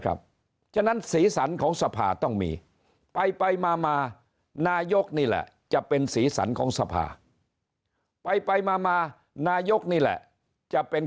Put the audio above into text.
ครับฉะนั้นสีสันของสภาต้องมีไปมานายกนี่แหละจะเป็น